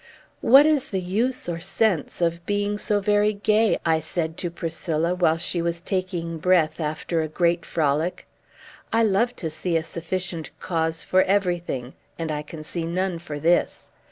"What is the use or sense of being so very gay?" I said to Priscilla, while she was taking breath, after a great frolic. "I love to see a sufficient cause for everything, and I can see none for this.